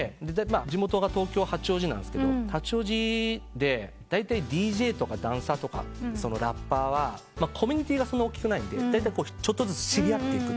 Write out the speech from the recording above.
地元が東京八王子なんすけど八王子でだいたいＤＪとかダンサーとかラッパーはコミュニティーがそんな大きくないんでだいたいちょっとずつ知り合っていく。